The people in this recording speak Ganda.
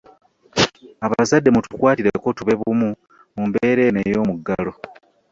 Abazadde mutukwatireko tube bumu mu mbeera eno oyomugalo.